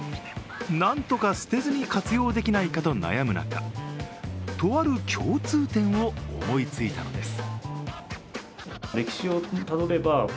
なんとか捨てずに活用できないかと悩む中、とある共通点を思いついたのです。